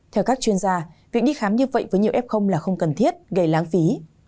theo các chuyên gia việc đi khám như vậy với nhiều f là không cần thiết gây lãng phí